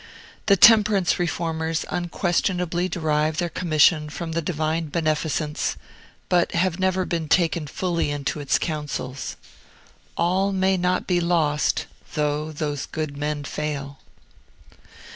The temperance reformers unquestionably derive their commission from the Divine Beneficence, but have never been taken fully into its counsels. All may not be lost, though those good men fail.